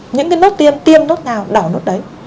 những cái nốt tiêm tiêm nốt nào đỏ nốt đấy